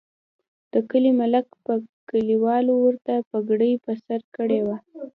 د کلي ملک چې کلیوالو ورته پګړۍ په سر کړې وه.